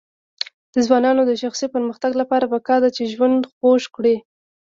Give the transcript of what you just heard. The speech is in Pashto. د ځوانانو د شخصي پرمختګ لپاره پکار ده چې ژوند خوږ کړي.